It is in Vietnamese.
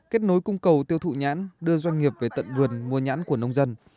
kết nối cung cầu tiêu thụ nhãn đưa doanh nghiệp về tận vườn mua nhãn của nông dân